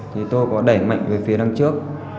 thì tôi có đẩy mạnh về phía đằng trước